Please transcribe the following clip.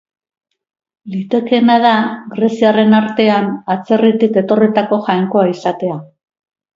Litekeena da greziarren artean atzerritik etorritako jainkoa izatea.